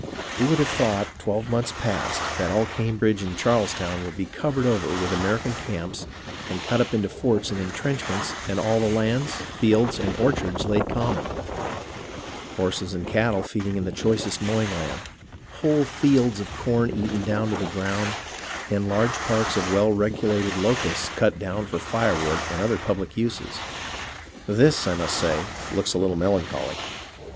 Who would have thought twelve months past that all Cambridge and Charlestown w^ould be covered over with American camps and cut up into forts and intrench ments and all the lands, fields, and orchards laid common — horses and cattle feeding in the choicest mowing land, whole fields of corn eaten down to the ground, and large parks of well regulated locusts cut down for firewood and other public uses. This, I must say, looks a little melancholy.